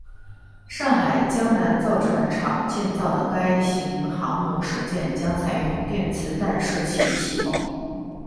上海江南造船厂建造的该型航母首舰将采用电磁弹射器系统。